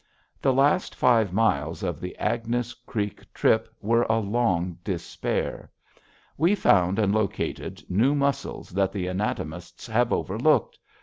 The last five miles of the Agnes Creek trip were a long despair. We found and located new muscles that the anatomists have overlooked.